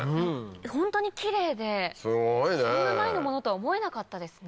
ホントにキレイでそんな前のものとは思えなかったですね。